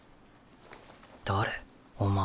誰？お前。